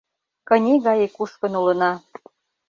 Кыне гае кушкын улына